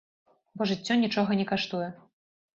Бо жыццё нічога не каштуе.